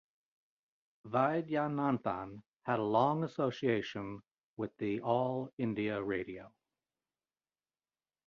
Vaidyanathan, had a long association with the All India Radio.